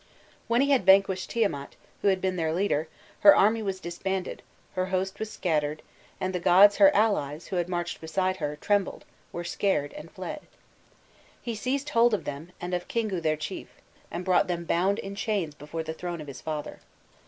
When he had vanquished Tiamat, who had been their leader, her army was disbanded, her host was scattered, and the gods, her allies, who had marched beside her, trembled, were scared, and fled." He seized hold of them, and of Kingu their chief, and brought them bound in chains before the throne of his father.